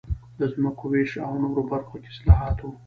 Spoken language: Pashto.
د ځمکو وېش او نورو برخو کې اصلاحات و